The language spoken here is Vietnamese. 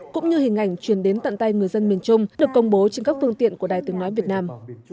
cũng như hình ảnh truyền đến tận tay người dân miền trung được công bố trên các phương tiện của đài tiếng nói việt nam